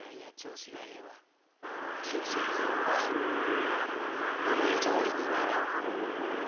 人生いうんは思いどおりにならん。